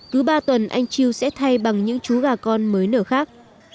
cứ ba tuần anh chiêu sẽ thay bằng những chú gà con mới nở khác